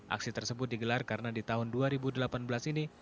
aksi tersebut digelar karena di tahun dua ribu delapan belas ini